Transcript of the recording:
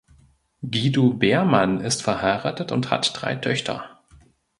Guido Beermann ist verheiratet und hat drei Töchter.